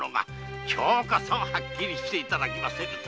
今日こそはっきりしていただきませぬと！